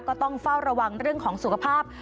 ก็ต้องเฝ้าระวังเรื่องของสุขภาพ